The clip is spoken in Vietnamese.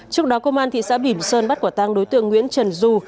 trước đó công an thị xã bỉm sơn bắt quả tăng đối tượng nguyễn trần du